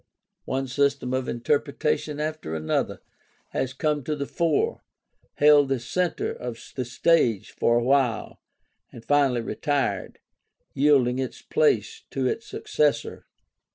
One system of inter pretation after another has come to the fore, held the center of the stage for a while, and finally retired, yielding its place to its successor.